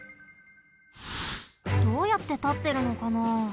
どうやってたってるのかな？